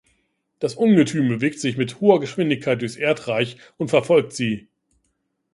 Das Ungetüm bewegt sich mit hoher Geschwindigkeit durchs Erdreich und verfolgt sie.